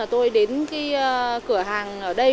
tôi đến cửa hàng ở đây